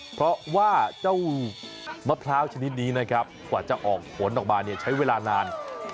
เพราะว่าเจ้ามะพร้าวชนิดนี้นะครับกว่าจะออกผลออกมาเนี่ยใช้เวลานาน